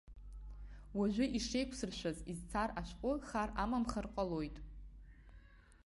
Уажәы ишеиқәсыршәаз изцар, ашәҟәы хар амамхар ҟалоит.